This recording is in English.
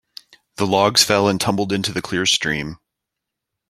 The logs fell and tumbled into the clear stream.